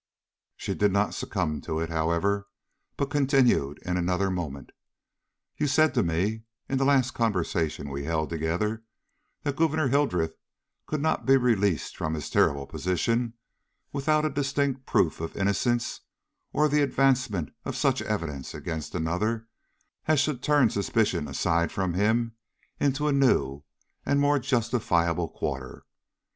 She did not succumb to it, however, but continued in another moment: "You said to me, in the last conversation we held together, that Gouverneur Hildreth could not be released from his terrible position without a distinct proof of innocence or the advancement of such evidence against another as should turn suspicion aside from him into a new and more justifiable quarter.